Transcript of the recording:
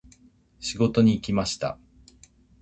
仕事に行きました。